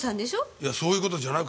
いやそういう事じゃなくて。